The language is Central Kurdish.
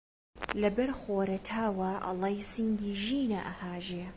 لەبەر خۆرەتاوا ئەڵێی سینگی ژینە ئەهاژێ